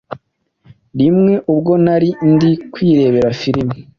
Rimwe ubwo nari ndi kwirebera filime